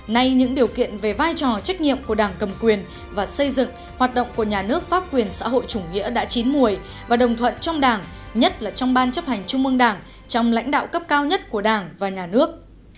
nay những điều kiện về vai trò trách nhiệm của đảng cầm quyền và xây dựng hoạt động của nhà nước pháp quyền xã hội chủ nghĩa đã chín mùi và đồng thuận trong đảng nhất là trong ban chấp hành trung mương đảng trong lãnh đạo cấp cao nhất của đảng và nhà nước